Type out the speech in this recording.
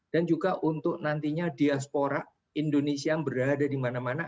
dan juga untuk nantinya diaspora indonesia yang berada di mana mana